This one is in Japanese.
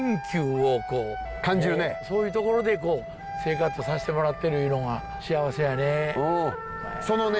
そういうところでこう生活さしてもらってるいうのが幸せやね。